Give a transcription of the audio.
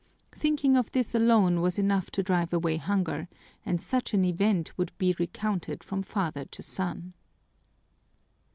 Thinking of this alone was enough to drive away hunger, and such an event would be recounted from father to son.